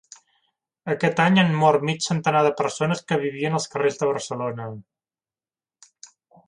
Aquest any han mort mig centenar de persones que vivien als carrers de Barcelona